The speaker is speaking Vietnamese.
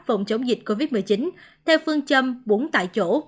phòng chống dịch covid một mươi chín theo phương châm bốn tại chỗ